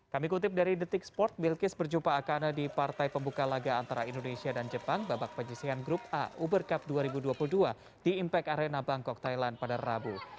kami kutip dari detik sport bilkis berjumpa akana di partai pembuka laga antara indonesia dan jepang babak penyisihan grup a uber cup dua ribu dua puluh dua di impact arena bangkok thailand pada rabu